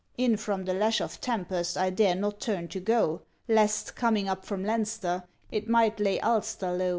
' In from the lash of tempest I dare not turn to go, Lest, coming up from Leinster, it might lay Ulster low.'